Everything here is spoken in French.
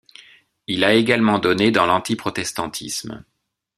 Il a également donné dans l'antiprotestantisme.